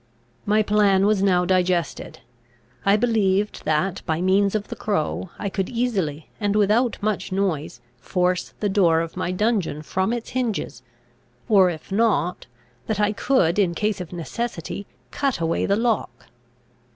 My plan was now digested. I believed that, by means of the crow, I could easily, and without much noise, force the door of my dungeon from its hinges, or if not, that I could, in case of necessity, cut away the lock.